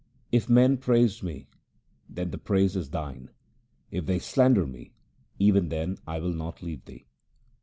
If men praise me, then the praise is Thine ; if they slander me, even then I will not leave Thee.